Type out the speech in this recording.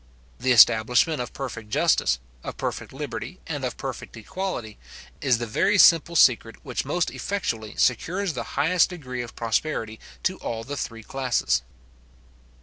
The establishment of perfect justice, of perfect liberty, and of perfect equality, is the very simple secret which most effectually secures the highest degree of prosperity to all the three classes.